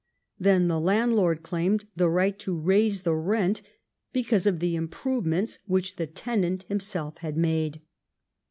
Then the landlord claimed the right to raise the rent because of the improve ments which the tenant himself had made.